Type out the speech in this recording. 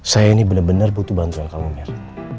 saya ini benar benar butuh bantuan kamu merk